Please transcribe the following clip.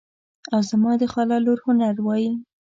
او زما د خاله لور هنر وایي.